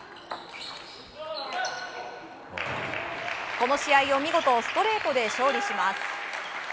この試合を見事ストレートで勝利します。